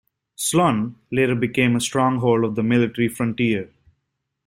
Slunj later became a stronghold of the Military Frontier.